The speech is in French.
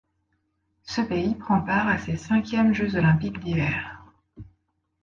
Ce pays prend part à ses cinquièmes Jeux olympiques d'hiver.